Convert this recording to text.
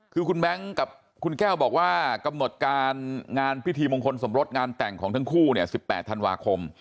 คือคุณแบงค์กับคุณแก้วบอกว่ากำหนดการงานพิธีมงคลสมรสงานแต่งของทั้งคู่เนี่ย๑๘ธันวาคม